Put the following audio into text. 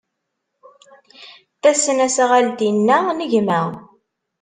Tasnasɣalt-inna n gma.